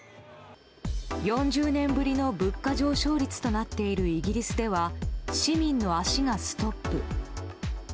４０年ぶりの物価上昇率となっているイギリスでは市民の足がストップ。